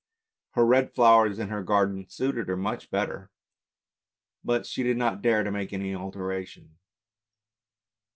Her red flowers in her garden suited her much better, but she did not dare to make any alteration.